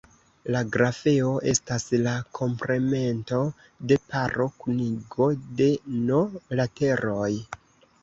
La grafeo estas la komplemento de paro-kunigo de "n" lateroj.